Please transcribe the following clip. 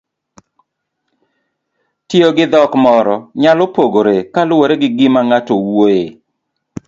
Tiyogi dhok moro nyalo pogore kaluwore gi gima ng'ato wuoyoe.